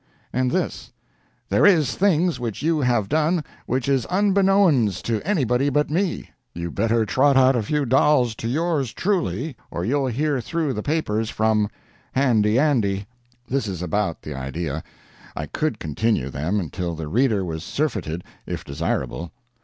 And this: There is things which you have done which is unbeknowens to anybody but me. You better trot out a few dols, to yours truly, or you'll hear through the papers from HANDY ANDY. This is about the idea. I could continue them till the reader was surfeited, if desirable.